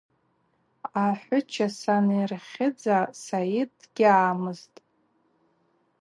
Ахӏвыча санырхьыдза Сайыт дгьаъамызтӏ.